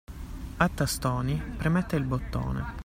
A tastoni, premette il bottone.